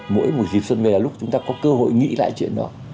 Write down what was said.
mỗi một dịp xuân về là lúc chúng ta có cơ hội nghĩ lại chuyện đó